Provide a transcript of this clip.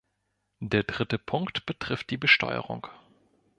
Der dritte Punkt betrifft die Besteuerung.